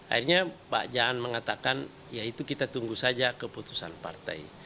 akhirnya pak jaan mengatakan ya itu kita tunggu saja keputusan partai